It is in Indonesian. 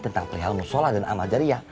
tentang prihal mushollah dan amal jariah